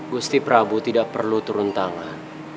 gusti prabu tidak perlu turun tangan